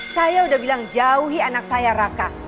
saya udah bilang jauhi anak saya raka